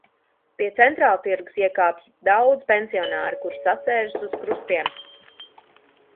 Pie Centrāltirgus iekāpj daudz pensionāru, kuri sasēžas uz krustiem.